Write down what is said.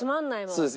そうです。